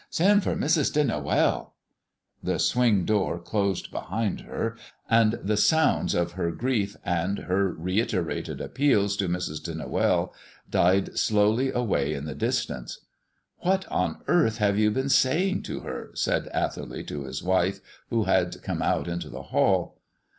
Send for Mrs. de Noël " The swing door closed behind her, and the sounds of her grief and her reiterated appeals to Mrs. de Noël died slowly away in the distance. "What on earth have you been saying to her?" said Atherley to his wife, who had come out into the hall.